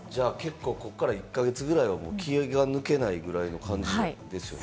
ここから１か月ぐらいは気が抜けないぐらいの感じですね。